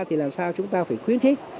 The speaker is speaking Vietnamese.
thì làm sao chúng ta phải khuyến khích